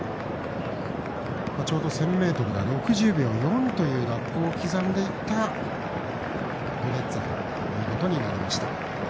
ちょうど１０００ｍが６０秒４というラップを刻んでいったドゥレッツァということになりました。